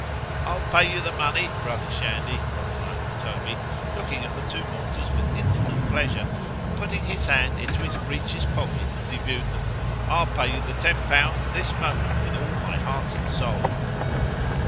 ——I'll pay you the money, brother Shandy, quoth my uncle Toby, looking at the two mortars with infinite pleasure, and putting his hand into his breeches pocket as he viewed them——I'll pay you the ten pounds this moment with all my heart and soul.